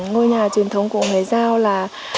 ngôi nhà truyền thống của người dao là